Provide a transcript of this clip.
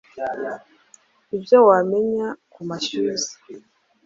Ibyo wamenya ku mashyuza